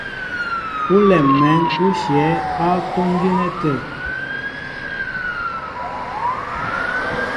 Olɛm mɛ̌n ó shyɛ̌ á kwón gínɛ́ tə̂.